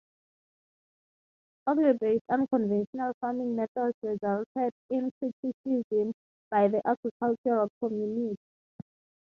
Oglebay's unconventional farming methods resulted in criticism by the agricultural community.